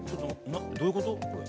どういうこと？